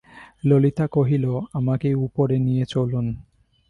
ললিতা কহিল, আমাকে উপরে নিয়ে চলুন।